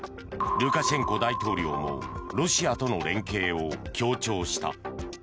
ルカシェンコ大統領もロシアとの連携を強調した。